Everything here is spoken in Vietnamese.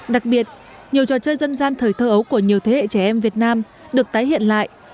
đặc biệt nhiều trò chơi dân gian thời thơ ấu của nhiều thế hệ trẻ em việt nam được tái hiện lại